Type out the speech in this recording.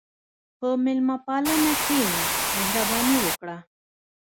په میلمهپالنه کښېنه، مهرباني وکړه.